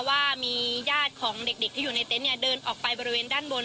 ว่ามีญาติของเด็กที่อยู่ในเต็นต์เดินออกไปบริเวณด้านบน